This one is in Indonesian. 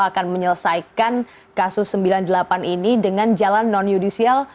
akan menyelesaikan kasus sembilan puluh delapan ini dengan jalan non yudisial